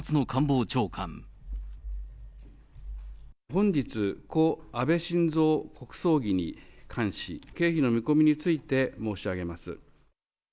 本日、故・安倍晋三国葬儀に関し、経費の見込みについて申し上げます。